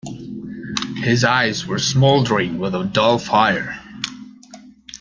His eyes were smouldering with a dull fire.